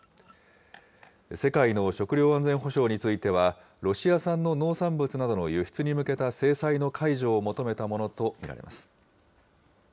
世界の食料安全保障については、ロシア産の農産物などの輸出に向けた制裁の解除を求めたものと見られます。